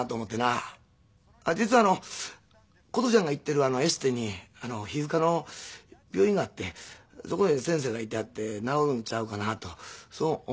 実は琴ちゃんが行ってるエステに皮膚科の病院があってそこに先生がいてはって治るんちゃうかなとそう思うてな。